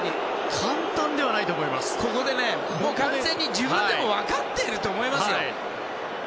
完全に自分でも分かっていると思いますよ。